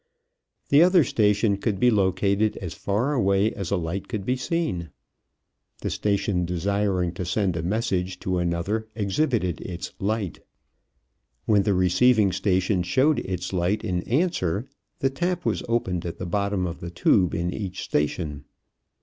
The other station could be located as far away as a light could be seen. The station desiring to send a message to another exhibited its light. When the receiving station showed its light in answer, the tap was opened at the bottom of the tube in each station.